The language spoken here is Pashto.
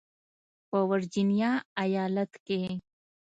په ورجینیا ایالت کې